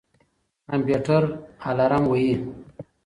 کمپيوټر الارم وهي.